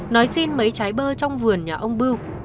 nói xin mấy trái bơ trong vườn nhà ông bưu